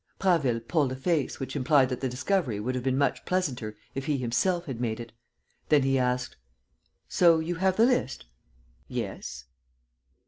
Prasville pulled a face which implied that the discovery would have been much pleasanter if he himself had made it. Then he asked: "So you have the list?" "Yes."